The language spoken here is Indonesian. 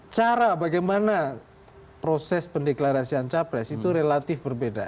cara bagaimana proses pendeklarasian capres itu relatif berbeda